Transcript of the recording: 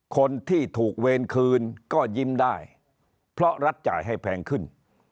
คนที่ถูกเวรคืนก็ยิ้มได้เพราะรัฐจ่ายให้แพงขึ้น